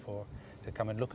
untuk melihat mereka